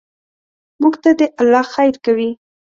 موږ ته دې الله خیر کوي.